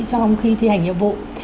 trong khi thi hành hiệu vụ